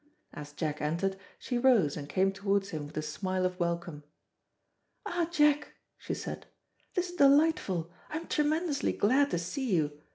As Jack entered, she rose and came towards him with a smile of welcome. "Ah, Jack," she said, "this is delightful; I am tremendously glad to see you!